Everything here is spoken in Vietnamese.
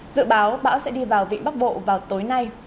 dự báo bão sẽ đi vào vịnh bắc bộ vào tối nay